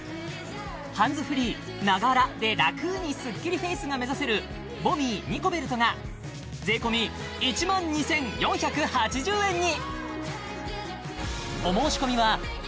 ハンズフリー「ながら」でラクにスッキリフェイスが目指せるＶＯＮＭＩＥニコベルトが税込１２４８０円に！